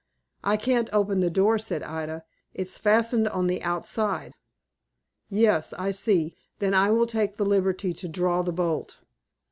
"I can't open the door," said Ida. "It's fastened on the outside." "Yes, I see. Then I will take the liberty to draw the bolt." Mr.